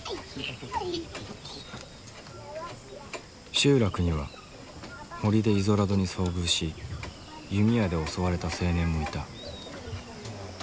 集落には森でイゾラドに遭遇し弓矢で襲われた青年もいた。